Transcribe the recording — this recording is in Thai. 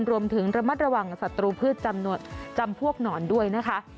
รวมถึงระมัดระวังศัตรูพืชจำพวกหนอนด้วยนะคะ